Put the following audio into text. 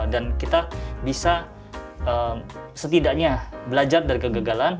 dan kita bisa setidaknya belajar dari kegagalan